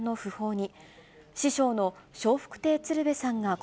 に